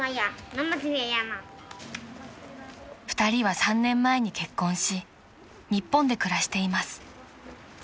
［２人は３年前に結婚し日本で暮らしています］